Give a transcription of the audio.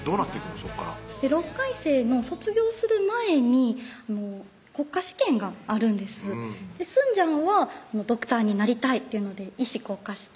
そこから６回生の卒業する前に国家試験があるんですすんじゃんはドクターになりたいっていうので医師国家試験